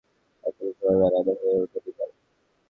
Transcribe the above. একই সময়ে শুটিং থাকার কারণে এখনো সময় মেলানো হয়ে ওঠেনি তাঁর।